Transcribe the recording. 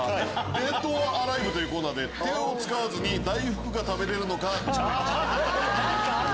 デッドｏｒアライブというコーナーで手を使わずに大福が食べれるのかチャレンジ。